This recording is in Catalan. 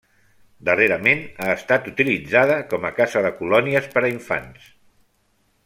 Darrerament ha estat utilitzada com a casa de colònies per a infants.